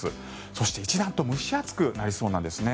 そして、一段と蒸し暑くなりそうなんですね。